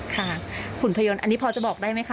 หุ่นพยนต์อันนี้พอจะบอกได้ไหมคะ